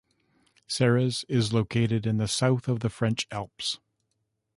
Serres is located in the south of the French Alps.